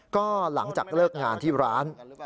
ก็หลังจากเลิกงานที่ร้าน